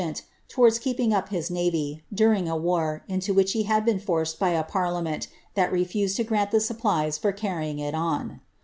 77 t, towards keeping ap his navy, daring a war, into which he bad 1 forced by a parlLunent that refused to grant the supplies for cany it on.